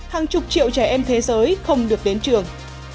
hàng chục triệu trẻ em thế giới không được đến trường